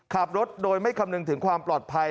ขับรถโดยไม่คำนึงถึงความปลอดภัย